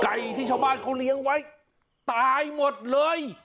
ที่ชาวบ้านเขาเลี้ยงไว้ตายหมดเลย